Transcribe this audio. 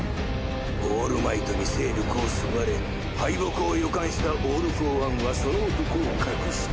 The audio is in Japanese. オールマイトに勢力を削がれ敗北を予感したオール・フォー・ワンはその男を隠した。